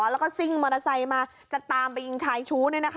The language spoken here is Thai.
แล้วก็ซิ่งมรสบายมาจะตามไปยิงชายชู้